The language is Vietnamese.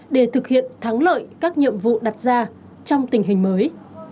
để thực hiện thắng lợi các nhiệm vụ đặt ra trong tình hình mới